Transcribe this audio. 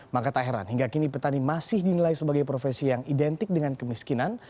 maka tak heran hingga kini petani masih dinilai sebagai profesi yang identik dengan kemiskinan